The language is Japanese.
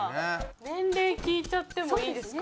年齢聞いちゃってもいいですか？